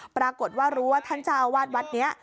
ปรากฏว่ารู้ว่าท่านเจ้าอาวาสวัดนี้